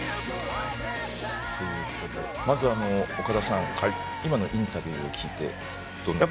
まず岡田さん、今のインタビューを聞いてどうですか。